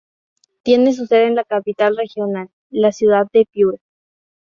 Tiene su sede en la capital regional, la ciudad de Piura.